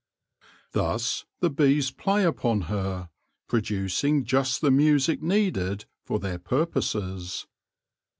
Thus the bees play upon her, producing just the music needed for their purposes.